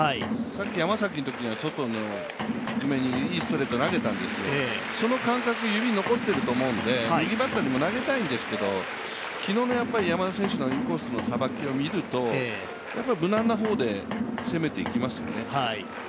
さっき山崎のときには、外の低めにいいストレートを投げたんですけどその感覚が指に残っているとは思うんで、右バッターにも投げたいんですけど、昨日の山田選手のインコースのさばきを見ると、無難な方で攻めていきますよね。